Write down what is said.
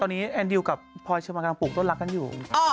ตอนนี้แอนดูกับพลอยเชิญมันกำลังบุกต้นรักกันอยู่